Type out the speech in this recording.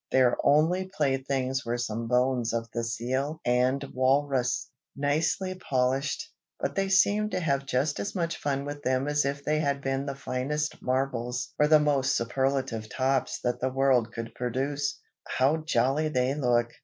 Their only playthings were some bones of the seal and walrus, nicely polished, but they seemed to have just as much fun with them as if they had been the finest marbles or the most superlative tops that the world could produce. "How jolly they look!"